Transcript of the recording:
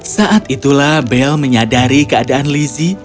saat itulah bel menyadari keadaan lizzie